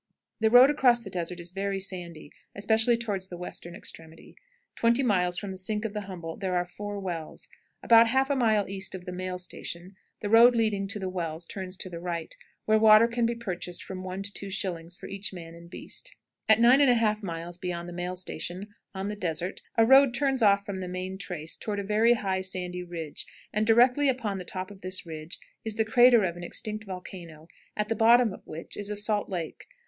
The road across the desert is very sandy, especially toward the western extremity. Twenty miles from the Sink of the Humboldt there are four wells. About half a mile east of the mail station the road leading to the wells turns to the right, where water can be purchased for from one to two shillings for each man and beast. At 9 1/2 miles beyond the mail station, on the desert, a road turns off from the main trace toward a very high sandy ridge, and directly upon the top of this ridge is the crater of an extinct volcano, at the bottom of which is a salt lake.